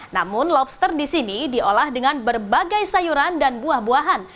namun lobster di sini diolah dengan berbagai sayuran dan buah buahan